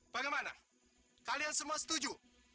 bagaimana kalian semua setuju